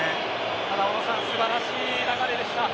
ただ小野さん素晴らしい流れでした。